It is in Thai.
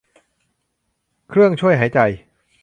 เครื่องช่วยหายใจ